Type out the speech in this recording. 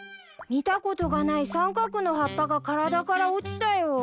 見たことがない三角の葉っぱが体から落ちたよ。